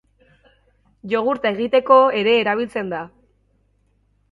Jogurta egiteko ere erabiltzen da.